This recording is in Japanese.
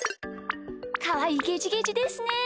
かわいいゲジゲジですね。